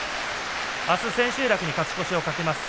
あす千秋楽に勝ち越しを懸けます。